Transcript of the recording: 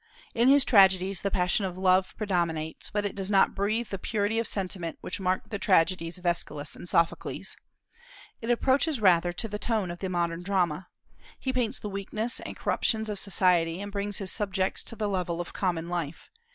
In his tragedies the passion of love predominates, but it does not breathe the purity of sentiment which marked the tragedies of Aeschylus and Sophocles; it approaches rather to the tone of the modern drama. He paints the weakness and corruptions of society, and brings his subjects to the level of common life.